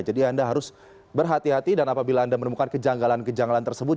jadi anda harus berhati hati dan apabila anda menemukan kejanggalan kejanggalan tersebut